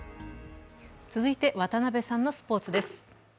続いて渡部さんのスポーツです。